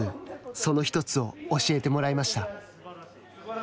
その一つを教えてもらいました。